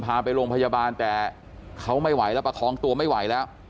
พาไปโรงพยาบาลแต่เขาไม่ไหวแล้วประคองตัวไม่ไหวแล้ว